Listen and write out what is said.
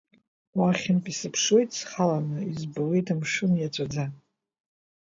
Уахьынтәи сыԥшуеит схаланы, избауеит амшын иаҵәаӡа.